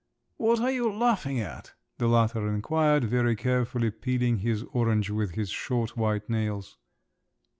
"What are you laughing at?" the latter inquired, very carefully peeling his orange with his short white nails.